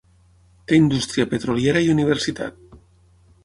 Té indústria petroliera i universitat.